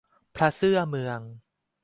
พระเสื้อเมือง